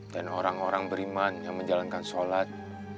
orang orang beriman yang menjalankan sholat